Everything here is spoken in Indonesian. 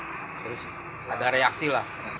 terus ada reaksi lah